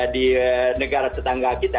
di negara tetangga kita